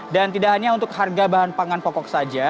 dan tidak hanya untuk harga bahan pangan pokok saja